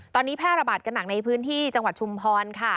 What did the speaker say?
ตอนนี้แพร่ระบาดกันหนักในพื้นที่จังหวัดชุมพรค่ะ